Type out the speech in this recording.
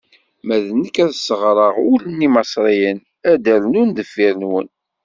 Ma d nekk, ad sseɣreɣ ul n Imaṣriyen, ad d-rnun deffir-nwen.